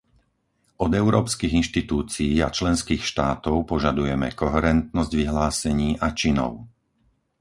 Od európskych inštitúcií a členských štátov požadujeme koherentnosť vyhlásení a činov.